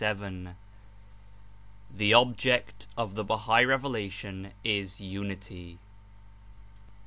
164 THE OBJECT OF THE BAHAI REVELATION IS UNITY.